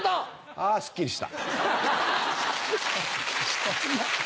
あー、すっきりした。